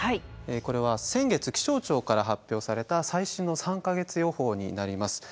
これは先月気象庁から発表された最新の３か月予報になります。